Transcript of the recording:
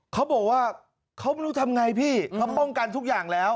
เขาบอกว่าเขาไม่รู้ทำไงพี่เขาป้องกันทุกอย่างแล้ว